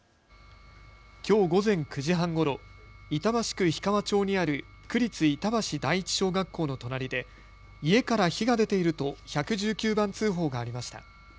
きょう午前９時半ごろ、板橋区氷川町にある区立板橋第一小学校の隣で家から火が出ていると１１９番通報がありました。